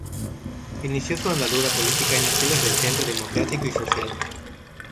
Inició su andadura política en las filas del Centro Democrático y Social.